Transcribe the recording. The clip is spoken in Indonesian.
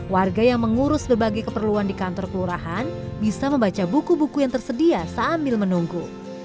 warga yang mengurus berbagai keperluan di kantor kelurahan bisa membaca buku buku yang tersedia sambil menunggu